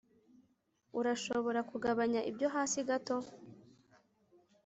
Urashobora kugabanya ibyo hasi gato